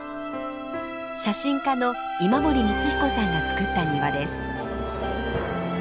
写真家の今森光彦さんがつくった庭です。